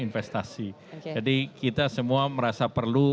investasi jadi kita semua merasa perlu